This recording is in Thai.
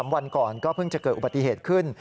วันก่อนก็เพิ่งจะเกิดอุบัติเหตุขึ้น